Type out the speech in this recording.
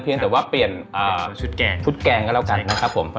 เพียงแต่ว่าเปลี่ยนอ่าชุดแกงชุดแกงก็แล้วกันนะครับผม